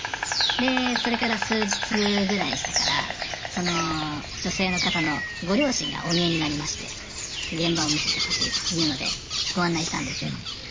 でそれから数日ぐらいしてからその女性の方のご両親がお見えになりまして現場を見せてほしいというのでご案内したんですよ。